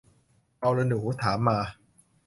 เอาล่ะหนู ถามมา